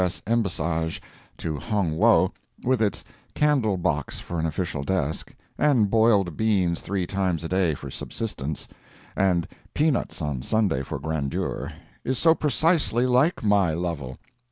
S. embassage to Hong Wo, with its candle box for an official desk, and boiled beans three times a day for subsistence, and peanuts on Sunday for grandeur, is so precisely like my Lovel!